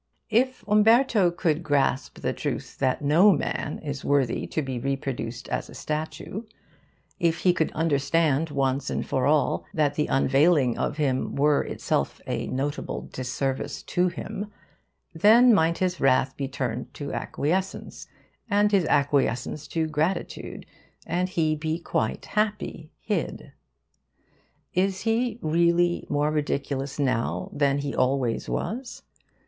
If Umberto could grasp the truth that no man is worthy to be reproduced as a statue; if he could understand, once and for all, that the unveiling of him were itself a notable disservice to him, then might his wrath be turned to acquiescence, and his acquiescence to gratitude, and he be quite happy hid. Is he, really, more ridiculous now than he always was?